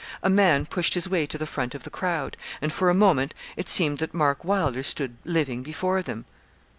A man pushed his way to the front of the crowd, and for a moment it seemed that Mark Wylder stood living before them.